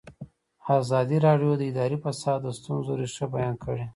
ازادي راډیو د اداري فساد د ستونزو رېښه بیان کړې.